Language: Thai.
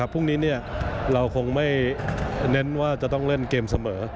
พรุ่งนี้เราคงไม่เน้นว่าจะต้องเล่นเกมเสมอ